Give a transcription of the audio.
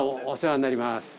お世話になります。